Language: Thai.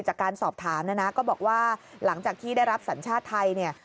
จากการสอบถามนะนะก็บอกว่าหลังจากที่ได้รับสัญชาติไทยเนี่ย